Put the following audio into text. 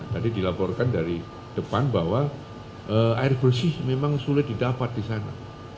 tadi dilaporkan dari depan bahwa air bersih memang sulit didapat di sana